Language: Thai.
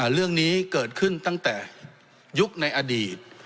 เรื่องนี้เกิดขึ้นตั้งแต่ยุคในอดีต